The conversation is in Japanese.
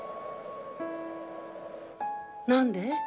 何で？